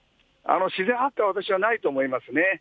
自然発火は、私はないと思いますね。